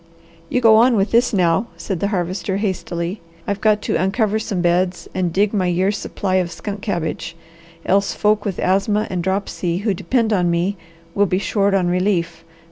"You go on with this now," said the Harvester hastily. "I've got to uncover some beds and dig my year's supply of skunk cabbage, else folk with asthma and dropsy who depend on me will be short on relief.